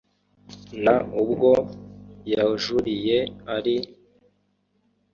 n ubwo yajuriye ari